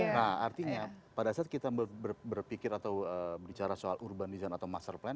nah artinya pada saat kita berpikir atau bicara soal urban design atau master plan